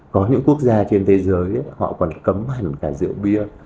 có những quốc gia trên thế giới họ còn cấm hẳn cả rượu bia